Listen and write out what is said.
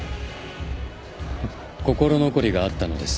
心残りがあったのです。